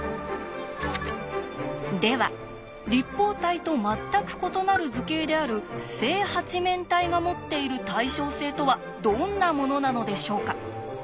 では立方体と全く異なる図形である正八面体が持っている対称性とはどんなものなのでしょうか？